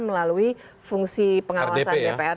melalui fungsi pengawasan jpr